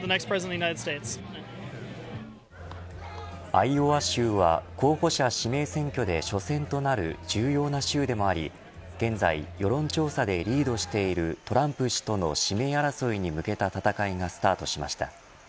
アイオワ州は候補者指名選挙で初戦となる重要な州でもあり現在、世論調査でリードしているトランプ氏との指名争いに向けた戦いがスタートしました。